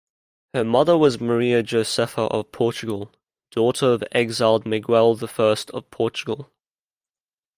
Her mother was Maria Josepha of Portugal, daughter of exiled Miguel I of Portugal.